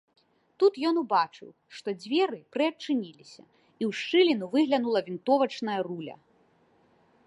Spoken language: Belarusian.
Тут ён убачыў, што дзверы прыадчыніліся і ў шчыліну выглянула вінтовачная руля.